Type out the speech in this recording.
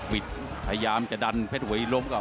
พยายามจะดันเพลชหวยินลง